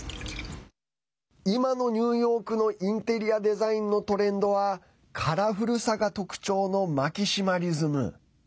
今のニューヨークのインテリアデザインのトレンドはカラフルさが特徴のマキシマリズム。